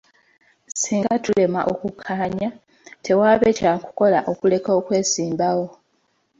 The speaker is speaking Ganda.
Singa tulema okukkaanya, tewaabe kyakukola okuleka okwesimbawo.